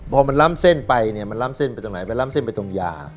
พอมันล้ำเส้นไปเนี่ยมันล้ำเส้นไปตรงไหนไปล้ำเส้นไปตรงยา